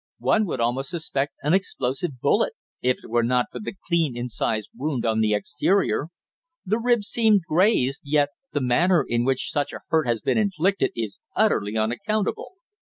One would almost suspect an explosive bullet, if it were not for the clean incised wound on the exterior. The ribs seem grazed, yet the manner in which such a hurt has been inflicted is utterly unaccountable."